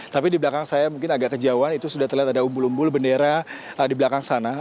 tapi di belakang saya mungkin agak kejauhan itu sudah terlihat ada umbul umbul bendera di belakang sana